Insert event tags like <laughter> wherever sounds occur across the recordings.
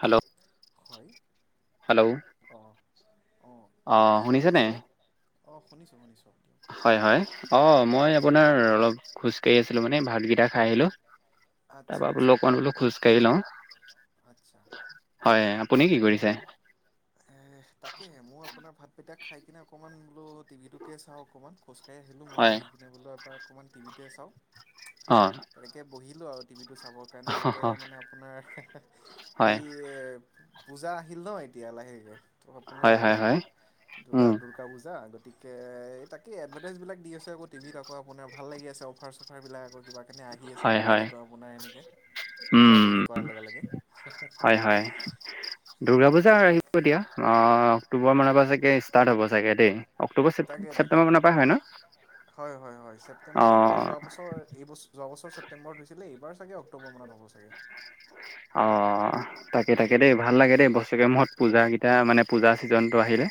Hello <inaudible> hello অঁ অ শুনিছে নে? অ শুনিছো শুনিছো। হয় হয় অ মই আপোনাৰ অলপ খোজকাঢ়ি আছিলো মানে ভাতকেইটা খাই আহিলো। ত আচ্ছা ভাবিলো আচ্ছা অকন খোজ কাঢ়ি লওঁ। হয় আপুনি কি কৰিছে? এ তাকে মোৰ আপোনাৰ ভাত। এতিয়া খাই কিনে অকণমান বোলো টিভিটোকে চাওঁ অকণ খোজ কাঢ়িলোঁ আহিলো মইও হয় আহি কিনে বোলো এবাৰ। অকমান টিভিকে চাওঁ অ' তেনেকে বহিলো আৰু টিভিটো চাবৰ কাৰণে তাতে মানে আপোনাৰ হয় এই পূজা আহিল ন এতিয়া লাহেকে ত হয় আপোনাৰ হয় হয় দুৰ্গা উম দুূৰ্গা পূজা আগ গতিকে এই তাকেই এডভাৰটাইজবিলাক দি আকৌ টিভিত আকৌ আপোনাৰ ভাল লাগি আছে অফাৰ চফাৰবিলাক আকৌ কিবা কেনেি আহি আছে হয় হয় মোবাইলতো আপোনাৰ এনেকে পুজা বুলি উম কৰাৰ লগে লগে। হয় হয় দুূৰ্গা পূজা তাক আহিব দিয়া অ'। অক্টোবৰ মানৰ পৰা চাগে ষ্টাৰ্ট হ'ব চাগে দেই তাকে তাকে অক্টোবৰেছেপটেম্বৰ মানৰ পৰা হয় ন। হয় হয় হয় ছেপ্তেম্বৰ মানে অ' যোৱা বছৰ যোৱা বছ। অপে্বৰত হৈছিলে এইবাৰাগে অকটোবৰ মত অ তাকে তাকে দেই ভাল লাগে দেই বসকে মত পূজা কেই এতিয়া মানে পূজা ছিজনটো আহিলে।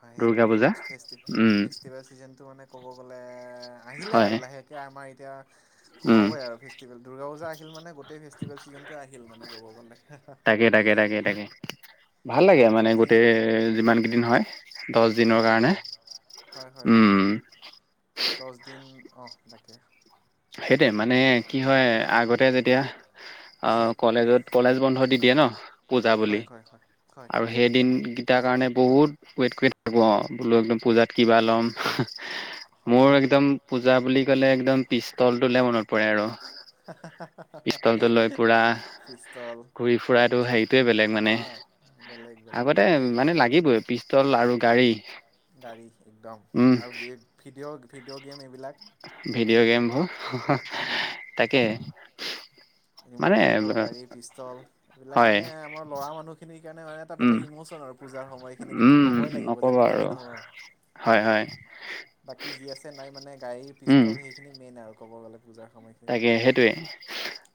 হয় সেই দুৰ্গা তাকে পূজা উতচ ফেষ্টিভেল, উম ফেষ্টিভেল চিজনটো মানে ক'ব গ'লে আহিলে হয় আৰু লাহেকে আমাৰ <inaudible> উম, সোমাবই আৰু ফেষ্টিভেল দৰ্গা পূজা আহিল মানে গোটেই ফেষ্টিভেল চিজনটো আহিল মানে ক'ব গ'লে। তাকে তাকে তাকে, তাকে ভাল লাগে মানে বাকী গোটেই যিমান কিদিন হয়। দহ দিনৰ হয়, কাৰণে হয়, হয়, হয়, হয়, উম, দ'হ দিন অ তাকে সেইটোৱেই মানে কি হয় আগতে যেতিয়া অ' হয় কলেজত কলেজ বন্ধ দি দিয়ে ন পূজা বুলি হয় হয় হয় হয় আৰু সেই দিন তাৰ কাৰণে বহুত ৱেট কৰি থাকোঁ আউ বোলো একদম পূজাত কিবা ল'ম। হয় মোৰ হয় একদম পূজা বুলি ক'লে একদম পিস্তলটোলে মনত পৰে আৰু পিস্তলটো লৈ পুৰা ফিষ্টল ঘূৰি ফুৰাতটো হেৰিটোৱে বেলেগ হা মানে। বেলেগ বেলেগ আগতে তাকে মানে লাগিবই পিস্তল আৰু গাড়ী। গাড়ী একদম উম, আৰু গে ভিডিঅ' ভিডিঅ' গেম এইবিলাক ভিডিঅ' গেমবোৰ তাকে ৰিম'ট কণ্ট্ৰ'ল মানে গাড়ী, পিস্তল এইবিলাক হয়, মানে আমাৰ লৰা মানুহখিনিৰ কাৰণে মানে এটা উম, বেলেগ ইমোচন। পূজাৰ সময়খিনিটো এইটো উম, ল'বই লাগিব নক'বা যেনেকে আৰু কি নহয়। হয়, হয়। আছে নাই মানে গাড়ীৰ উম, পিষ্টল সেইখিনি মেইন আৰু ক'ব গ'লে। পূজাৰ সময়খিনিত তাকে সেইটোয়ে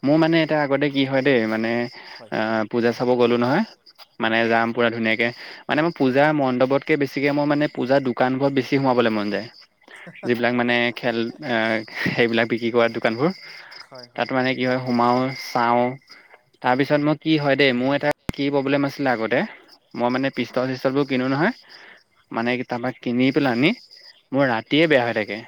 মোৰ মানে এটা আগতে কি হয় দেই মানে হয় অ', পূজা চা খাব গ'লো নহয়, মানে হয় যাম পুৰা ধুনীয়াকে মানে মই পূজা মণ্ডপতকে বেছিকে মই মানে পূজা দোকানবোৰত বেছি সোমাবলৈ মন যায়। যিবিলাক মানে খেল সেইবিলাক বিক্ৰী কৰা দোকানবোৰ। হয় তাত হয় মানে কি হয়, সোমাও চাওঁ হয় তাৰপিছত মই কি হয় দেই মোৰ এটা কি প্ৰব্লেম আছিলে আগতে, মই হয় মানে পিষ্টল-চিষ্টল বোৰ কিনো নহয় মানে, হয় তাৰপা কিনি পেলাই আনি মোৰ ৰাতিয়ে বেয়া হৈ থাকে।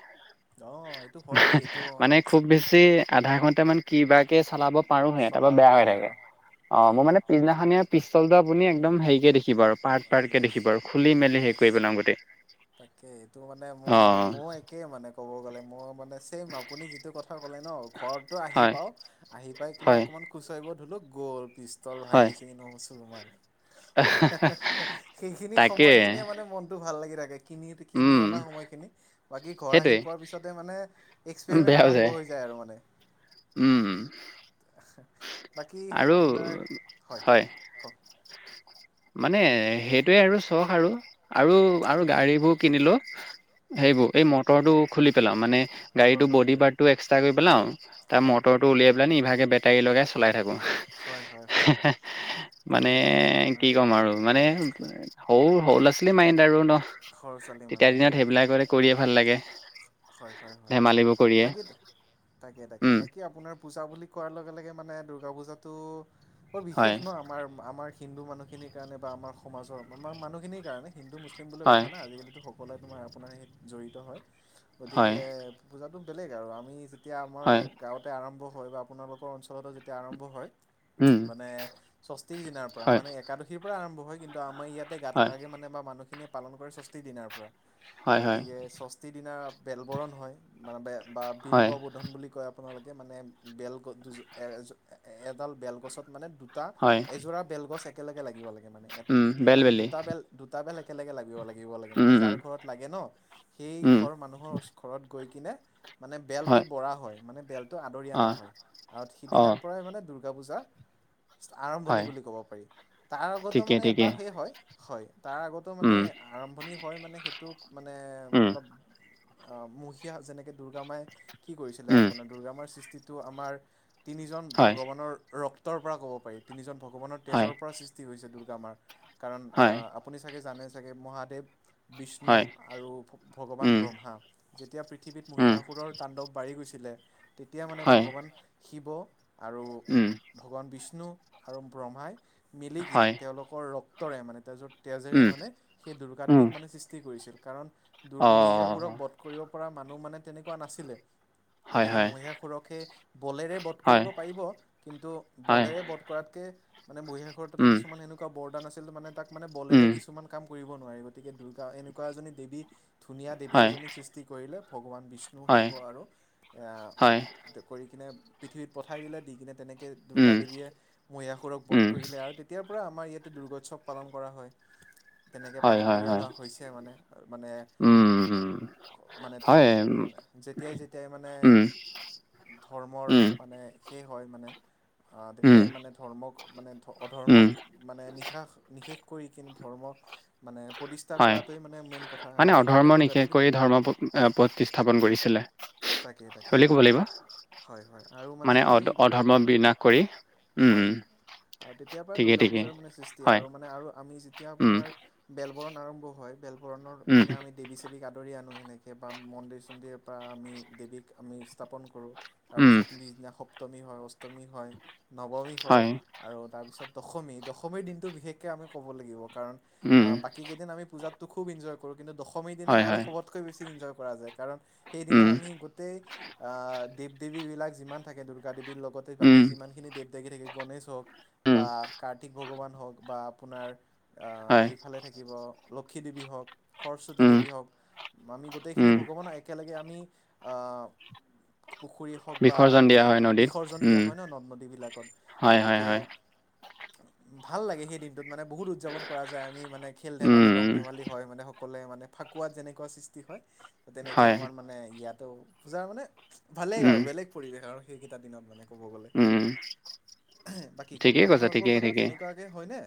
অ', এইটো হয় দেই এইটো অ' মানে খুব বেছি আধা ঘন্টামান কি বা চলাব পাৰোহে তাৰপা চলাব বেয়া হৈ পাৰে থাকে। আৰু অ', হয় মোৰ হয় মানে পিছদিনাখনিয পিষ্টলটো আপুনি একদম হেৰিকে দেখিব আৰু পাৰ্ট-পাৰ্ট য়েছ দেখিব আৰু খুলি মেলি হেৰি য়েছ কৰি পেলাও গোটেই তাকে, এইটো মানে মোৰ মন অ' মই একে মানে ক'ব গ'লে মই মানে ছেম! আপুনি যিটো কথা ক'লে ন' ঘৰতটো আহি হয় পাওঁ, আহি পাই কিনে হয় অকনমান খোজকাঢ়িব ধৰি লওক গ'ল পিষ্টল হয় ভাঙি-ছিঙি ন' চুৰমাৰ। সেইখিনি তাকে সময়খিনিয়ে মানে মনটো ভাল লাগি থাকে। কিনি, কিনি উম অনা সময়খিনি বাকী ঘৰ আহি সেইটোৱে পোৱাৰ পিছতে মানে এক্সপেৰিমেণ্ট আৰম্ভ হৈ যায় আৰু মানে উম', বাকী আৰু আপোনাৰ, হয় কওক মানে সেইটোৱে আৰু চখ আৰু, আৰু, আৰু গাড়ীবোৰ কিনিলো। সেইবোৰ এই মটৰটো খুলি পেলাও। মানে গাড়ীটো মটৰটো বডি ঘূৰে পাৰ্টটো এক্সট্ৰা কৰি পেলাওঁ। তাৰ হয় হয় মটৰটো উলাপেলাই নি ইভাগে বটাৰি লগায়। চলাই থাকোঁ। হয় হয় হয় মানে, তাকে তাকে আপোনাৰ কি ক'ম আৰু মানে সৰু, সৰু লছ মাইণ্ড আৰু ন' ঘৰ ছোৱালী ইমান তেতিয়া তাকে দিনত তাকে সেইবিলাক কৰিয়ে ভাল লাগে। হয়, হয়, হয়, ধেমালিবোৰ কৰিয়ে বাকী তাকে, তাকে উম বাকী আপোনাৰ পুজা বুলি কোৱাৰ লগে লগে মান মানে দূৰ্গা পূজাটো বৰ বিশেষ হয় ন' আমাৰ, আমাৰ হিন্দু মানুহখিনিৰ কাৰণে বা আমাৰ সমাজৰ মানুহখিনিৰ কাৰণে, হিন্দু মুছলিম বুলি হয় কথা নাই। আজি কালিতো সক পলে তোমাৰ আপোনাৰ সেই জড়িত হয়। গতিকে হয় পূজাটো বেলেগ আৰু আমি যেতিয়া আমাৰ হয় গাঁৱতে আৰম্ভ হয় বা আপোনালোকৰ অঞ্চলতে যেতিয়া আৰম্ভ হয়। উম'। মানে ষষ্ঠীৰ দিনাৰ পৰা হয় মানে একাদশীৰ পৰা আৰম্ভ হয়, কিন্তু আমাৰ ইয়াতে গাত হয় লাগে মানে বা মানুহ খিনিয়ে পালন কৰে ষষ্ঠী দিনাৰ পৰা হয় হয় গতিকে ষষ্ঠীৰ দিনা বেলবৰণ হয় মানে ব বা বিল হয় ববোধন বুলি কয়। আপোনালোকে মানে বেলগছ দু এডাল বেলগছত মানে হয় এযোৰা বেলগছ একেলগে লাগিব লাগে মানে উম মানে বেলবেলি দুটা বেল দুটা বেল একেলগে লাগিব- লাগিব লাগে মানে উম যাৰ উম ঘৰত লাগে ন। সেই উম ঘৰ মানুহ গৈ কেনে মানে বেলটো হয় বৰা হয় মানে বেল টো আদৰি অ আনা হয় আৰু অ সিদিনাৰ পৰাই মানে দুৰ্গা পূজা আৰম্ভণি হয় বুলি ক'ব পাৰি তাৰ আগতো ঠিকে মানে ঠিকে এটা সেই হয় - হয়। তাৰ আগতো মানে উম আৰম্ভণি হয় মানে সেইটো মানে উম অলপ আহ, মহিসা যেনেকে দুৰ্গ মাই কি কৰিছিলে উম আপোনাৰ দুৰ্গামাৰ সৃষ্টিটো আমাৰ। তিনিজন হয় ভগৱানৰ ৰক্তৰ পৰা ক'ব পাৰি তিনিজন ভগৱানৰ হয় তেজৰ পৰা সৃষ্টি হৈছে দুৰ্গা আমাৰ কাৰণ হয় আহ আপুনি চাগে জানে চাগে মহাদেৱ বিষ্ণু হয় আৰু ভগৱান উম ব্ৰহ্মা যেতিয়া পৃথিৱীত উম মহীষাসুৰৰ তাণ্ডৱ বাঢ়ি গৈছিলে তেতিয়া মানে হয় ভগৱান শিৱ আৰু উম ভগৱান বিষ্ণু আৰু ব্ৰহ্মাই মিলি কিনে হয় তেওলোকৰ ৰক্তৰে মানে তেজেৰে উম মানে সেই দুৰ্গা উম দেৱীক মানে সৃষ্টি কৰিছিল কাৰণ অ মহীষাসুৰক বোধ কৰিব পৰা মানুহ মানে তেনেকুৱা নাছিলে। হয় গতিকে হয় মহীষাসুৰকে বলেৰে বধ কৰিব হয় পাৰিব কিন্তু হয় বলেৰে বধ কৰাত ত, মানে মহীষাসুৰৰ তাতে উম কিছুমান সেনেকুৱা বৰদান আছিল মানে তাক মানে বলেৰে উম কিছুমান কাম কৰিব নোৱাৰি গতিকে দুৰ্গা এনেকুৱা এজনী দেৱী ধুনীয়া দেৱী হয়, এজনীক সৃষ্টি কৰিলে ভগৱান বিষ্ণু হয়, শিৱ আৰু হয়, কৰি কিনে পৃথিৱীত পঠাই দিলে দি কিনে তেনেকে দুৰ্গা উম, দেৱীয়ে মহীষাসুৰক বধ উম, কৰিলে আৰু তেতিয়া পৰা আমাৰ ইয়াতে দুৰ্গোৎসৱ পালন কৰা হয়। তেনেকে হয়, পালন হয়, কৰি হয়, অহা হৈছে মানে - মানে উম, উম, মানে হয়, উম, যেতিয়াই যেতিয়াই মানে উম, ধৰ্মৰ মানে সেই হয় মানে উম, তেতিয়াই মানে ধৰ্মক মানে অধৰ্ম উম, মানে নিশা নিশেষ কৰি কিন্তু ধৰ্ম মানে প্ৰতিষ্ঠা হয়, কৰাটোৱ মানে মেইন কথা আৰু সেইকাৰণে দূৰ্গা দেৱীৰ এ প্ৰতিষ্ঠাপন কৰিছিলে তাকে তাকে খুলি ক'ব লাগিব। হয় হয় আৰু মানে অ, সেই অধৰ্ম বিনাশ কৰি হয় উম। আৰু তেতিয়াৰ পৰা ঠিকেই, দুৰ্গা ঠিকেই, পূজাৰ মানে সৃষ্টি হয়, আৰু মানে আৰু আমি যেতিয়া উম, আপোনাৰ বেল বৰণ আৰম্ভ হয় বেল বৰণৰ উম, দিনা আমি দেৱী সেবীক আদৰি আনো সেনেকে বা মন্দিৰ চন্দিৰৰ পৰা আমি দেৱীক আমি স্থাপন কৰো। উম, তাৰপিছত পিছদিনা সপ্তমী হয় অষ্টমী হয় নৱমী হয় আৰু তাৰপিছত দশমী - দশমীৰ দিনটো বিশেষকৈ আমি ক'ব লাগিব কাৰণ উম, বাকীকেইদিন আমি পূজাত খুব ইঞ্জয় কৰো কিন্তু দশমীৰ দিনা হয়, আৰু হয়, সবতকৈ বেছি ইঞ্জয় কৰা যায় কাৰণ সেইদিনা উম, আমি গোটেই দেৱ - দেৱী বিলাক যিমান থাকে দুৰ্গা দেৱীৰ লগতে উম, বাকী যিমান খিনি দেৱ থাকে গণেশ হওক উম, বা কাৰ্তিক ভগৱান হওক বা আপোনাৰ অ, হয়, এইফালে থাকিব। লক্ষী দেৱী হওক সৰস্বতী উম, দেৱী হওক আমি গোটেইখিনি উম, ভগৱান একেলগে আমি আহ, পুখুৰী হওক বা বিসৰ্জন দিয়া আমি হয় নদীত, বিসৰ্জন দিয়া উম, হয় ন নদ নদীবিলাকত হয়, হয়, গতিকে হয়, ভাল লাগে সেই দিনটোত মানে বহুত উদযাপন কৰা যায় আমি মানে খেল ধেমালি উম, ৰং ধেমালি হয় মানে অকলে মানে ফাকুৱাত যেনেকুৱা সৃষ্টি হয় তেনেকে হয়, আমাৰ মানে ইয়াতো পূজাৰ মানে ভালে উম, আৰু বেলেগ পৰিৱেশ আৰু সেইকেইটা দিনত মানে। ক'ব গ'লে উম, বাকী কওক ঠিকেই কৈছা আপোনালোকৰ ঠিকেই ফালে ঠিকেই তেনেকুৱাকে হয়নে।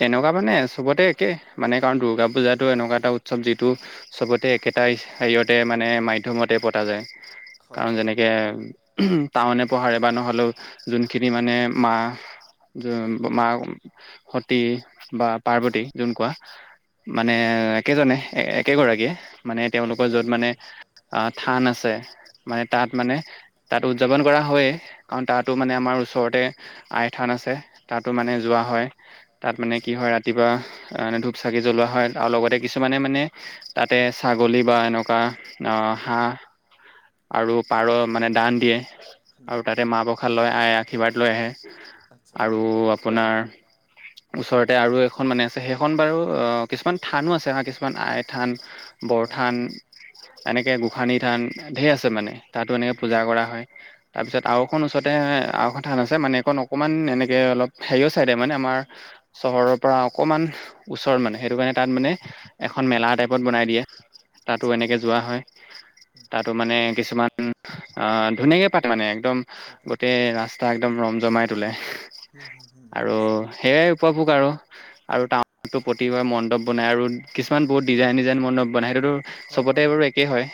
তেনেকুৱা মানে চবতে একে মানে কাৰণ দুৰ্গা পূজাটো এনেকুৱা এটা উৎসৱ যিটো চবতে একেটা হেৰিয়তে মানে মাধ্যমতে পতা যায় হয় কাৰন হয় যেনেকে উম টাউনে উপহাৰে বা নহলেও যোনখিনি মানে মা হয় মা সতী বা হয় পাৰ্বতী যোন কোৱা মানে হয় একেজনে একেগৰাকীয়ে মানে তেওঁলোকৰ একেই কৰে য'ত কি মানে হয় থান আছে মানে তাত হয় মানে তাত উদযাপন কৰা হয়ে কাৰণ তাতো হয় মানে আমাৰ ওচৰতে আই থান আছে তাতো মানে যোৱা হয় তাত মানে আচ্ছা কি হয় ৰাতিপুৱা ম ধূপ চাকি জ্বলোৱা হয় আৰু লগতে কিছুমানে মানে তাতে ছাগলী বা এনেকুৱা অ হাঁহ আৰু পাৰ মানে দান দিয়ে ডান আৰু তাতে মাহ প্ৰসাদ লয় আই আশীৰ্বাদ লৈ আহে আচ্ছা আৰু আপোনাৰ ওচৰতে আৰু এখন মানে আছে সেইখন বাৰু অ কিছুমান থানো আছে কিছুমান আই থান হয় বৰঠান হয় এনেকে গোসানী থান ঢেৰ আছে মানে তাতো এনেকে পূজা কৰা হয় তাৰপিছত আওখন ওচৰতে আখন থান আছে মানে এখন অকণমান এনেকে অলপ হেৰিয় চাইডে মানে আমাৰ চহৰৰ পৰা অকমান ওচৰ মানে সেইটো কাৰণে তাত মানে এখন মেলা টাইপত বনাই দিয়ে তাতো আচ্ছা এনেকে যোৱা হয় উম তাতো মানে কিছুমান আহ ধুনীয়াকে মানে একদম পাতে গোটেই ৰাস্তা একদম ৰম জমাই তোলে হুম হুম হুম আৰু বুজিছোঁ সেইয়াই উপভোগ আৰু আৰু টাউনতটো প্ৰতিভাৰ মণ্ডপ বনাই আৰু কিছুমান ত মণ্ডপ দি বনাই যায় নিজান মন সতো হয় চবতে হয় বোৰ একেই হয়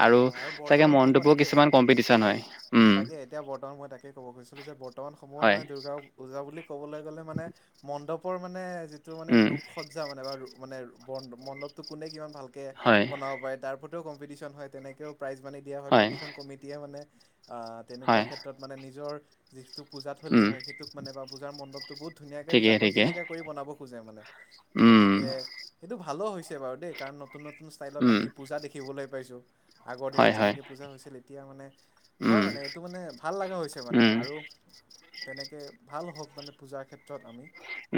একে আৰু হয় চাগে মনটোপোৰ কিছুমান কম্পিটিশন হয় ম উম তাকে এতিয়া বৰ্তমান মই তাকে ক'ব খুজিছিলো যে বৰ্তমান সময়ত হয় মানে দুৰ্গা পওজা বুলি ক'বলৈ গ'লে মানে মণ্ডপৰ মানে যিটো মানে উম ৰূপসজ্জা মানে বা মানে ব মণ্ডপটো কোনে কিমান ভালকে হয় বনাব পাৰে তাৰ প্ৰতিও কম্পিটিশন হয় তেনেকেও প্ৰাইজ মানি দিয়া হয় প্ৰতিখন কমিটিয়ে মানে আহ তেনেকুৱা হয় ক্ষেত্ৰত মানে নিজৰ টো পূজা থলী উম হয় সেইটোক মানে বা পূজাৰ মণ্ডপটো বহুত ধুনীয়াকে ঠিকে জাকত ঠিকে জিলিকা কৰি বনাব খোজে মানে উম গতিকে সেইটো ভালো হৈছে বাৰু দেই কাৰণ নতুন নতুন নতুন ষ্টাইলত উম আমি পূজা দেখিবলৈ পাইছো আগৰ দিনত হয় হয় যেনেকে পূজা হৈছিল এতিয়া মানে হয় উম মানে এইটো মানে ভাল লগা হৈছে মানে উম আৰু তেনেকে ভাল হওঁক মানে পূজাৰ ক্ষেত্ৰত আমি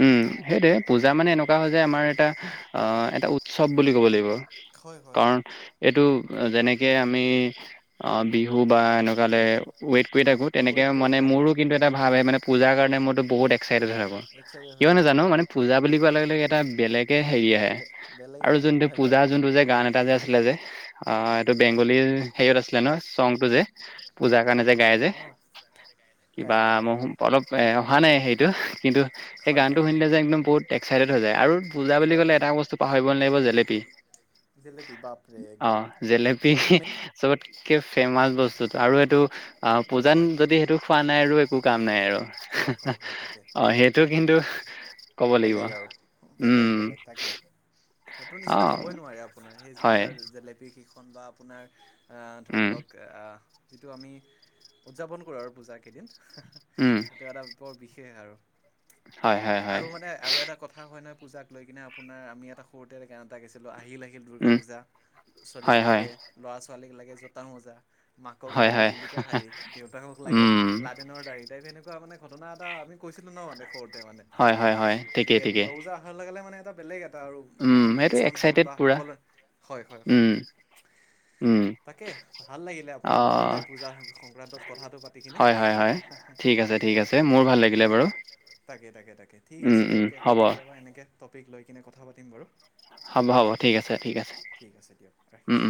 উম সেইটে পূজা মানে এনেকুৱা হয় যে আমাৰ এটা অ এটা উৎসৱ বুলি ক'ব লাগিব হয় হয় কাৰণ হয়। এইটো যেনেকে আমি বিহু বা এনেকুৱালৈ ৱেইট কৰি হয় থাকো তেনেকে ৱেইট কৰি মানে থকা যায় মোৰো কিন্তু এটা ভাৱ হয় মানে পূজাৰ কাৰণে মইতো বহুত এক্সাইটেড হৈ থাকো এক্সাৰচাইজ হৈ কিয় থাকে নাজানো হয় মানে হয় পূজা বুলি কোৱাৰ লগে লগে এটা বেলেগ হেৰি আহে আৰু বেলেগেই যোনটো হয় হয় পূজা যোনটো যে গান এটা যে আছিলে যে অ এইটো হয় বেংগলীৰ হেৰিয়ত আছিলে ন চংটো যে পূজাৰ কাৰণে হয় যে গাই যে অঁ গাই কিবা গাই গাই ম অলপ এ অহা নাই হেইটো কিন্তু সেই হয় গানতটো হয় হয় শুনিলে যে একদম বহুত এক্সাইটেড হৈ যায় আৰু পূজা বুলি হয় ক'লে হয় এটা বস্তু পাহৰিব নালাগিব জেলেপি জেলেপি বাপৰে অ একদম জেলেপি সেইটোতো মে চবত এককে ফেমাচ বস্তুত আৰু এইটো অ পূজাত হয় যদি সেইটো খোৱা নাই আৰু একো কাম নাই আৰু হয় হয় হয় তাকে অ সেইটো কিন্তু কব লাগিব বেলেগ আৰু উম সেইটো অ নিচিনা হ'বই নোৱাৰে আপোনাৰ সেই হয় পূজাৰ জেলেপি শ বা আপোনাৰ ধৰি উম লওক যিটো আমি উদযাপন কৰোঁ আৰু পূজা কেইদিন উম এইেইটো এটা বৰ বিশেষ সেইয়ে আৰু হয় হয় হয় আৰু মানে আৰু এটা কথা হয় নহয় পূজাক লৈ কিনে আপোনাৰ আমি এটা সৰুতে এটা গৈছিলো আহিলেে দৰ্গা উম পূজা হয় ছোৱালীক হয় লাগে লৰা ছোৱালীক লাগে জোতা মোজা মাকক হয় লাগে হয় জিলিকা শাাৰী দেউতাকক লাগে উম লাডেনৰ দাাৰ়ী তাইপ সেনেকুৱা মানে ঘটনা এটা আমি কৈছিলো ন মানে সৰুতে মানে। হয় হয় হয় ঠিকে ঠিকে। এ আৰু মানে মচন হওক এক্সাইটেড বা পুৰা সকল হয় হয় হয়। উম উম তাকে ভাল লাগিলে অ আপোনাৰ লগত দেই পূজা সংক্ৰান্তত কথাটো পাতি কিনে। হয় হয় হয় ঠিক আছে ঠিক আছে তাকে মোৰ ভাল লাগিলে দিয়া। বাৰু। তাকে তাকে তাকে ঠিক উম আছে উম দিয়ক আৌ হ'ব কেতিয়াবা এনেকে টপিক লৈ কিনে কথা পাতিম বাৰু। হ'ব হ'ব ঠিক আছে ঠিক আছে। ঠিক আছে দিয়ক ৰাখিছোঁ